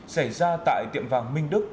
xảy ra tại tiệm vàng minh đức